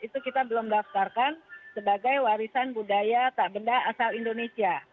itu kita belum daftarkan sebagai warisan budaya tak benda asal indonesia